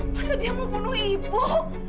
masa dia mau bunuh ibu